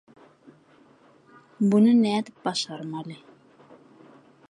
Muny nädip başarmaly?